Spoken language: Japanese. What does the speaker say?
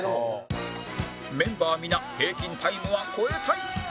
メンバー皆平均タイムは超えたい！